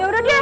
ya udah deh